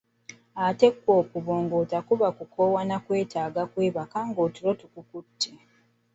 Ate kwo okubongoota kuba kukoowa na kwetaaga kwebaka ng'otulo tukukutte.